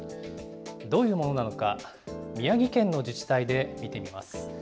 どういうものなのか、宮城県の自治体で見てみます。